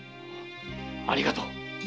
ありがとう。